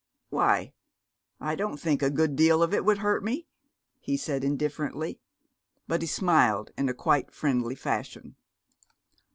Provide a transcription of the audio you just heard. "Why, I don't think a good deal of it would hurt me," he said indifferently. But he smiled in a quite friendly fashion.